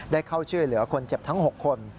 ได้เข้าช่วยเหลือคนเจ็บทั้ง๖คน